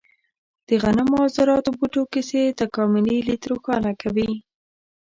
د غنمو او ذراتو بوټو کیسې تکاملي لید روښانه کوي.